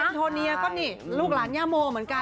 คุณโทเนียก็นี่ลูกหลานย่าโมเหมือนกัน